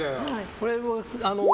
これは△。